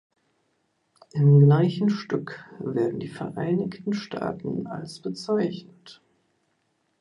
Im gleichen Stück werden die Vereinigten Staaten als bezeichnet.